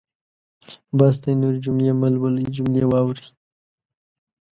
بس دی نورې جملې مهلولئ جملې واورئ.